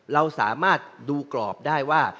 เราสามารถดูกรอบได้ว่า